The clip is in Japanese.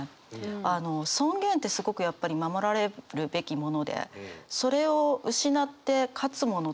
あの尊厳ってすごくやっぱり守られるべきものでそれを失って勝つものってあるのか？